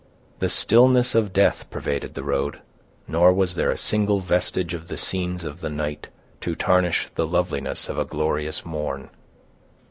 The stillness of death pervaded the road, nor was there a single vestige of the scenes of the night, to tarnish the loveliness of a glorious morn.